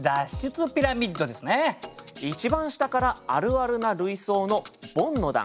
一番下からあるあるな類想のボンの段。